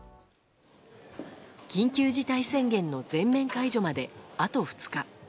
緊急事態宣言の全面解除まであと２日。